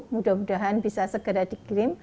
mudah mudahan bisa segera dikirim